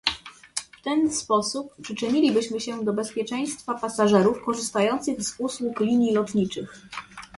W ten sposób przyczynilibyśmy się do bezpieczeństwa pasażerów korzystających z usług linii lotniczych